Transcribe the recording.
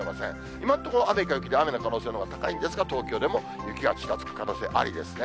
今のところ、雨か雪で、雨の可能性のほうが高いんですが、東京でも雪がちらつく可能性ありですね。